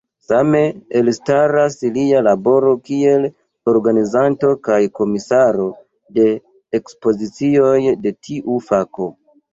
Same, elstaras lia laboro kiel organizanto kaj komisaro de ekspozicioj de tiu fako.